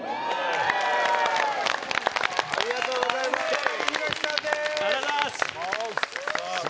伊達：ありがとうございます！